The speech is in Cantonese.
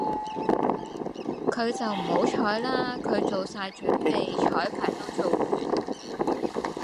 佢就唔好彩啦，佢做好曬準備，彩排都做完